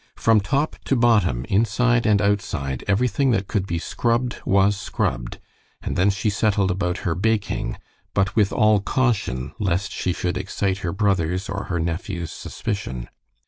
From top to bottom, inside and outside, everything that could be scrubbed was scrubbed, and then she settled about her baking, but with all caution, lest she should excite her brother's or her nephew's suspicion.